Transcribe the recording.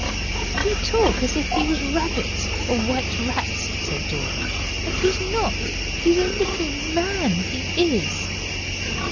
'You talk as if he was rabbits or white rats,' said Dora, 'and he's not he's a little man, he is.